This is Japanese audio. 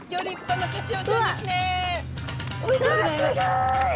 おめでとうございます。